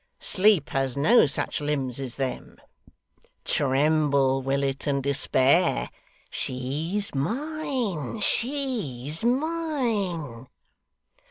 Sleep has no such limbs as them. Tremble, Willet, and despair. She's mine! She's mine!